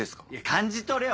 感じ取れよ！